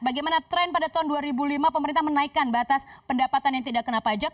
bagaimana tren pada tahun dua ribu lima pemerintah menaikkan batas pendapatan yang tidak kena pajak